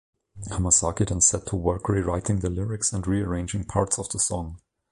Hamasaki then set to work rewriting the lyrics and rearranging parts of songs.